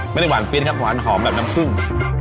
ไม่ได้หวานเปรี้ยนครับหวานหอมแบบน้ำซึ่ง